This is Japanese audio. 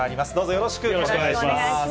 よろしくお願いします。